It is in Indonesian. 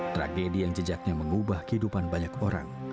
tragedi yang jejaknya mengubah kehidupan banyak orang